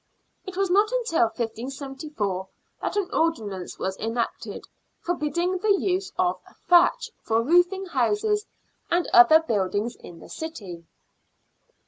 It was not until 1574 that an ordinance was enacted forbidding the use of thatch for roofing houses and other buildings in the city.